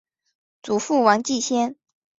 祖父王继先。